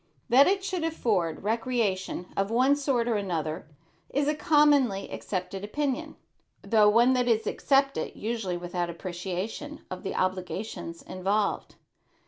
That it should afford recreation of one sort or another is a commonly accepted opinion, though one that is accepted usually without appreciation of the obligations involved.